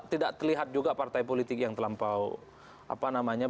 tidak terlihat juga partai politik yang terlampau apa namanya